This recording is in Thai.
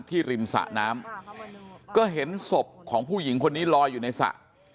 ริมสะน้ำก็เห็นศพของผู้หญิงคนนี้ลอยอยู่ในสระ